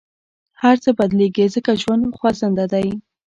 هر څه بدلېږي، ځکه ژوند خوځنده دی.